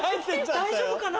大丈夫かな？